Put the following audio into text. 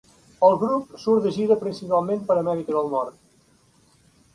El grup surt de gira principalment per Amèrica del Nord.